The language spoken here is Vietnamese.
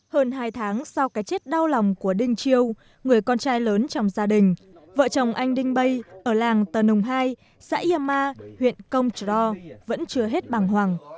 hơn hai tháng sau cái chết đau lòng của đinh chiêu người con trai lớn trong gia đình vợ chồng anh đinh bay ở làng tờ nùng hai xã yama huyện công trò vẫn chưa hết bằng hoàng